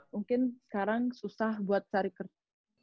mungkin sekarang susah buat cari kerja